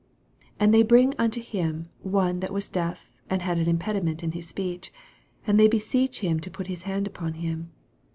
32 And they bring unto him one that was deaf, and had an impediment in his speech ; and they beseech him to put his hand upon him.